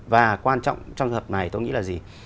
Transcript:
và quan trọng trong hợp này tôi nghĩ là gì